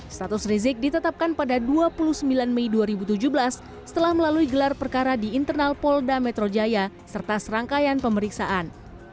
status rizik ditetapkan pada dua puluh sembilan mei dua ribu tujuh belas setelah melalui gelar perkara di internal polda metro jaya serta serangkaian pemeriksaan